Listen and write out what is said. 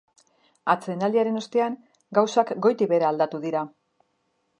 Atsedenaldiaren ostean, gauzak gotik behera aldatu dira.